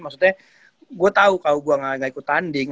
maksudnya gue tahu kalau gue gak ikut tanding